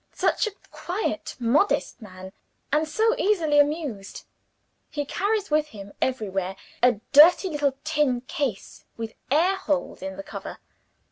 Such a quiet modest man, and so easily amused. He carries with him everywhere a dirty little tin case, with air holes in the cover.